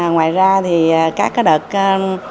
ngoài ra các đợt thi để tìm hiểu về truyền thống của mặt trận tổ quốc